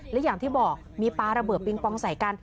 และอย่างที่บอกมีปลาระเบิดปิงปองใส่กัน